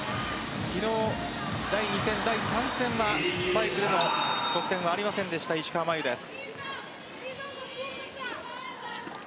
第２戦、第３戦はスパイクでの得点はありませんでした石川真佑です。